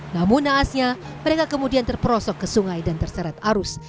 namun naasnya mereka kemudian terperosok ke sungai dan terseret arus